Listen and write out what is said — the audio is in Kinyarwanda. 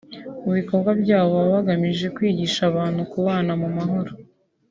mu bikorwa byabo baba bagamije kwigisha abantu kubana mu mahoro